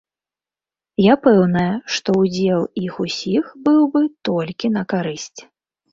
Я пэўная, што ўдзел іх усіх быў бы толькі на карысць.